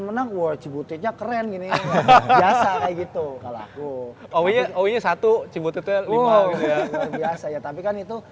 menang war cibutitnya keren gini biasa kayak gitu kalau aku oh iya satu cibutitnya lima ya tapi kan itu